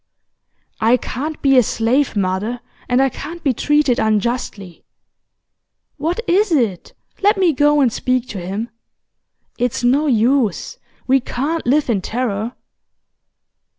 'I can't be a slave, mother, and I can't be treated unjustly.' 'What is it? Let me go and speak to him.' 'It's no use. We CAN'T live in terror.